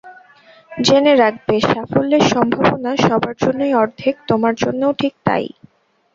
জেনে রাখবে, সাফল্যের সম্ভাবনা সবার জন্যই অর্ধেক, তোমার জন্যও ঠিক তা-ই।